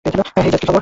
হেই Jazz, কী খবর?